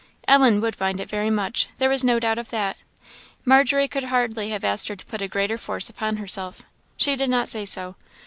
Ellen would mind it very much, there was no doubt of that; Margery could hardly have asked her to put a greater force upon herself; she did not say so.